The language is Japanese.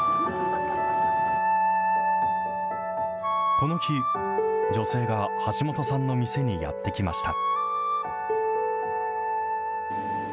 この日、女性が橋本さんの店にやって来ました。